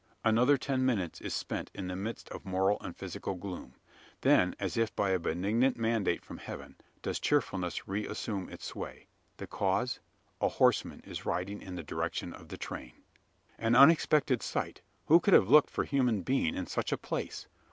Another ten minutes is spent in the midst of moral and physical gloom. Then, as if by a benignant mandate from heaven, does cheerfulness re assume its sway. The cause? A horseman riding in the direction of the train! An unexpected sight: who could have looked for human being in such a place?